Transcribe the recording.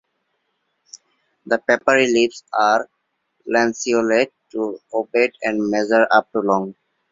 The papery leaves are lanceolate to ovate and measure up to long.